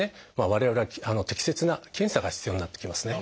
我々は適切な検査が必要になってきますね。